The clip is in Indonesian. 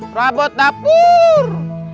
prabut tak pur